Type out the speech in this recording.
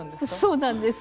そうなんです。